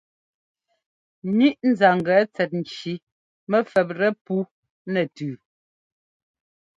Ŋíʼ nzanglɛ tsɛt nci mɛ fɛptɛ puu nɛ tʉ́.